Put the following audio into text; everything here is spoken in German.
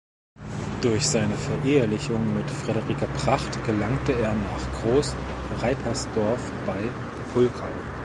Durch seine Verehelichung mit Friederike Pracht gelangte er nach Groß-Reipersdorf bei Pulkau.